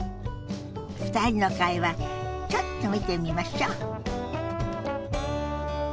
２人の会話ちょっと見てみましょ。